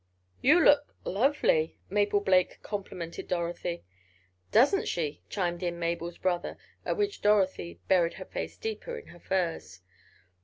"You look—lovely," Mabel Blake complimented Dorothy. "Doesn't she?" chimed in Mabel's brother, at which Dorothy buried her face deeper in her furs.